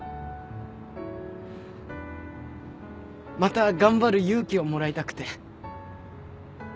また頑張る勇気をもらいたくて。